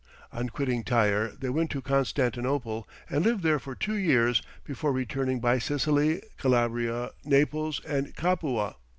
On quitting Tyre they went to Constantinople and lived there for two years before returning by Sicily, Calabria, Naples, and Capua.